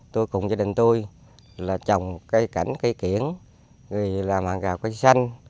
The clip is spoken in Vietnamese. tôi cùng gia đình tôi là trồng cây cảnh cây kiển làm hàng gạo cây xanh